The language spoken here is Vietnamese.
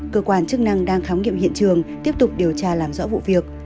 cơ quan chức năng đang khám nghiệm hiện trường tiếp tục điều tra làm rõ vụ việc